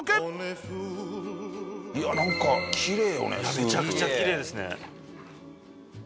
めちゃくちゃきれいですね。